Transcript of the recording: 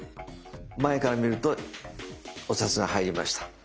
前から見るとお札が入りました。